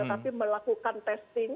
tetapi melakukan testing